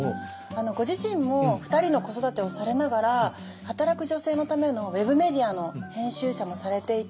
ご自身も２人の子育てをされながら働く女性のためのウェブメディアの編集者もされていて。